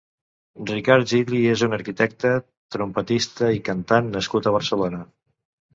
Ricard Gili és un arquitecte, trompetista i cantant nascut a Barcelona.